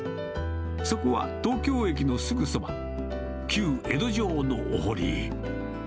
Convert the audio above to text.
そこは東京駅のすぐそば、旧江戸城のお堀。